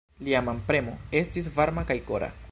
Lia manpremo estis varma kaj kora.